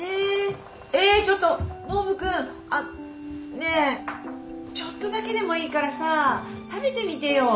ねえちょっとだけでもいいからさ食べてみてよ。